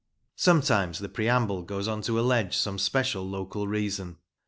Sometimes the preamble goes on to allege some special local reason.